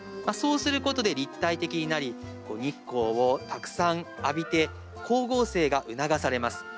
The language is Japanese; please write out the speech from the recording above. そうすることで立体的になり日光をたくさん浴びて光合成が促されます。